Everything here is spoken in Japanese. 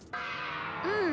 うん。